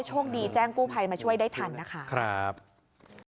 โชคดีแจ้งกู้ภัยมาช่วยได้ทันนะคะครับ